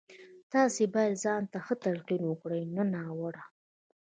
تاسې بايد ځان ته ښه تلقين وکړئ نه ناوړه.